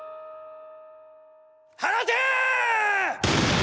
放て！